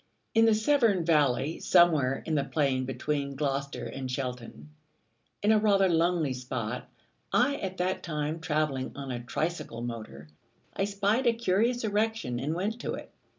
In the Severn Valley, somewhere in the plain between Gloucester and Cheltenham, in a rather lonely spot, I at that time travelling on a tricycle motor, I spied a curious erection, and went to it.